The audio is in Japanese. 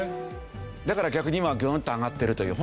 だから逆に今はグーンと上がってるという。